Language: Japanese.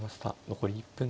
残り１分です。